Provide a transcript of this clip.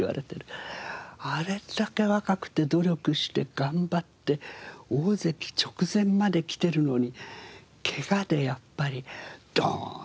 あれだけ若くて努力して頑張って大関直前まで来てるのに怪我でやっぱりドーンと落ちるわけですよね。